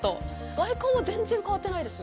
外観は全然変わってないです。